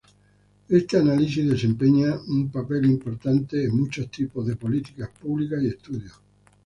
Ese análisis desempeña un papel importante en muchos tipos de políticas públicas y estudios.